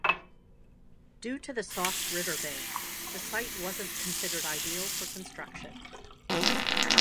Due to the soft river bank, the site wasn't considered ideal for construction.